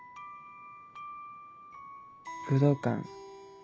武道館。